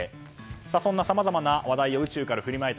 そんな、さまざまな話題を宇宙から振りまいた